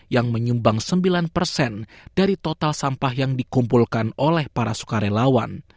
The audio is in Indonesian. yang menyumbang sembilan persen dari total sampah yang dikumpulkan oleh para sukarelawan